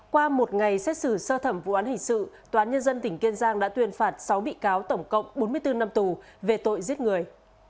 qua một ngày xét xử sơ thẩm vụ án hình sự toán nhân dân tỉnh kiên giang đã tuyên phạt sáu bị cáo tổng cộng bốn mươi bốn năm tù về tội giết người